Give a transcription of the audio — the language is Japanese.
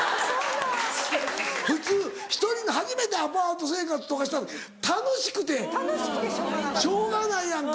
普通１人の初めてアパート生活とかしたら楽しくてしょうがないやんか。